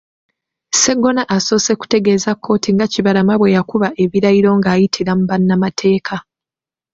Sseggona asoose kutegeeza kkooti nga Kibalama bwe yakuba ebirayiro ng'ayitira mu bannamateeka.